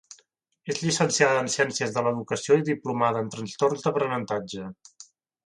És llicenciada en Ciències de l’Educació i diplomada en Trastorns d’aprenentatge.